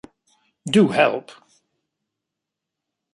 Do help